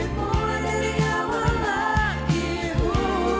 mulai dari awal hatimu